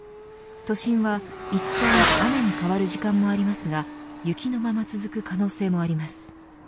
都心はいったん雨に変わる時間もありますが雪のまま続く可能性もあります。